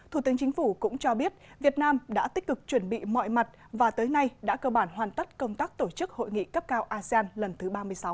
thủ tướng chính phủ cũng cho biết việt nam đã tích cực chuẩn bị mọi mặt và tới nay đã cơ bản hoàn tất công tác tổ chức hội nghị cấp cao asean lần thứ ba mươi sáu